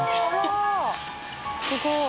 △蕁すごい。